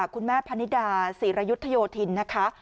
คุณแม่พะนิดาศรีรยุทธโยธินนะคะ